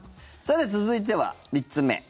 続いては、３つ目。